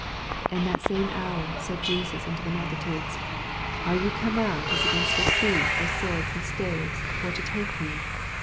55 In that same hour said Jesus to the multitudes, Are ye oome out as against a thief with swords and staves for to take me